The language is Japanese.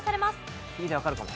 次でわかるかも。